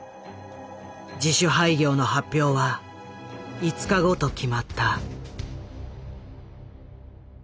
自主廃業の発表は５日後と決まった。